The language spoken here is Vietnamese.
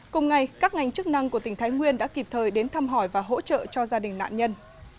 cùng ngày các ngành chức năng của tỉnh thái nguyên đã kịp thời đến thăm hỏi và hỗ trợ cho gia đình nạn nhân